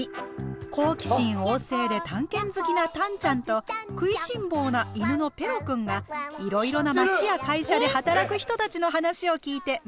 好奇心旺盛で探検好きなタンちゃんと食いしん坊な犬のペロくんがいろいろな町や会社で働く人たちの話を聞いて学んでいきます。